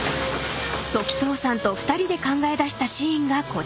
［時任さんと２人で考え出したシーンがこちら］